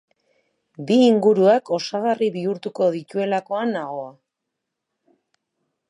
Bi inguruak osagarri bihurtuko dituelakoan dago.